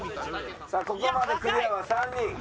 さあここまでクリアは３人。